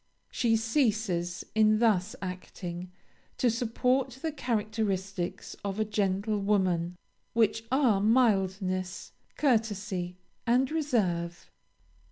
She ceases, in thus acting, to support the characteristics of a gentlewoman, which are mildness, courtesy, and reserve.